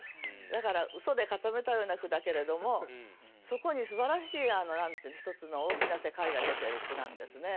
だからうそで固めたような句だけれどもそこにすばらしい一つの大きな世界が出ている句なんですね。